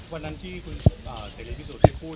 วันนั้นที่คุณเศรษฐ์พิสูจน์ได้พูด